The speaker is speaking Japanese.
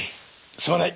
すまない。